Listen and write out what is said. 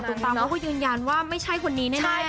ตามเขาก็ยืนยันว่าไม่ใช่คนนี้แน่